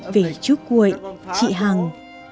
về chú quệ chị hằng